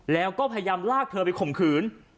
แล้วก็พยายามลากเธอไปข่มขืน